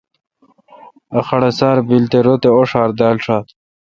ا خڑسار بیل تے رت اوݭار دال ݭات۔